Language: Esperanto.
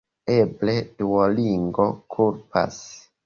Eble Duolingo kulpas.